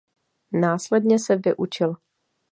Následně se vyučil.